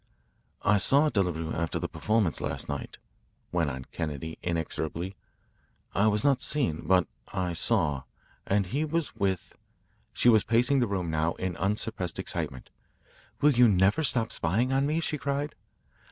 "I saw Delarue after the performance last night," went on Kennedy inexorably. "I was not seen, but I saw, and he was with " She was pacing the room now in unsuppressed excitement. "Will you never stop spying on me?" she cried.